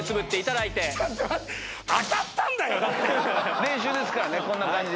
練習ですからねこんな感じで。